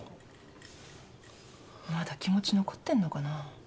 まだ気持ち残ってんのかな？